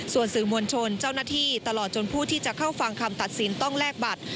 ส่วนสื่อมวลชนเจ้าหน้าที่ตลอดจนผู้ที่จะเข้าฟังคำตัดสินต้องแลกบัตร